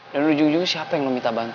dan lo jujur siapa yang lo minta bantu